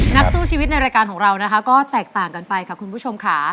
นักสู้ชีวิตในรายการของเรานะคะก็แตกต่างกันไปค่ะคุณผู้ชมค่ะ